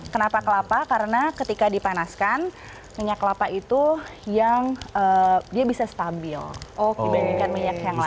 kenapa kelapa karena ketika dipanaskan minyak kelapa itu yang dia bisa stabil dibandingkan minyak yang lain